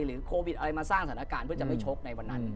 โควิดอะไรมาสร้างสถานการณ์เพื่อจะไม่ชกในวันนั้น